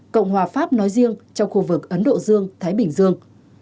cộng hòa pháp nói riêng trong khu vực ấn độ dương thái bình dương